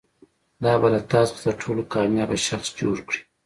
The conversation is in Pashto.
دا به له تا څخه تر ټولو کامیاب شخص جوړ کړي.